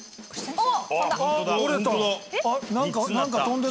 あっ。